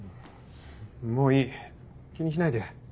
もういい気にしないで。